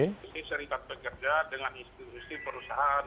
kami serikat pekerja dengan institusi perusahaan